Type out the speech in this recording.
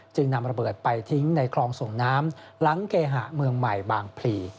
นำระเบิดไปทิ้งในคลองส่งน้ำหลังเกะเมืองใหม่บางพลี